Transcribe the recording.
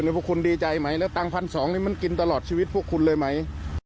พวกคุณดีใจไหมแล้วตังค์๑๒๐๐นี่มันกินตลอดชีวิตพวกคุณเลยไหม